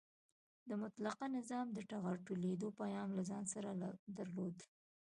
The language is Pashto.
د مطلقه نظام د ټغر ټولېدو پیغام له ځان سره درلود.